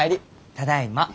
ただいま。